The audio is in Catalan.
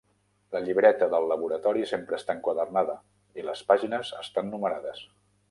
La llibreta de laboratori sempre està enquadernada i les pàgines estan numerades.